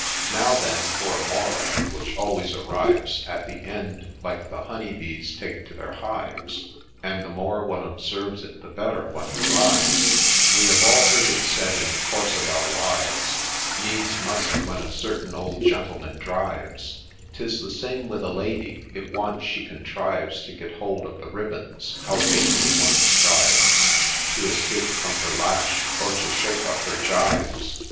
Now then, for a moral, which always arrives At the end, like the honey bees take to their hives, And the more one observes it the better one thrives, — We have all heard it said in the course of our lives: ' Needs must when a certain old gentleman drives," 'Tis the same with a lady, — if once she contrives To get hold of the ribands, how vainly one strives To escape from her lash, or to shake off her gyves